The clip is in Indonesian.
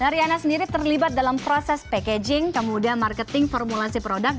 nariana sendiri terlibat dalam proses packaging kemudian marketing formulasi produk